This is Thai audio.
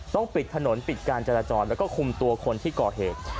ปิดถนนปิดการจราจรแล้วก็คุมตัวคนที่ก่อเหตุ